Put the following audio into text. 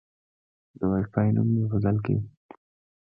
د وای فای نوم مې بدل کړ.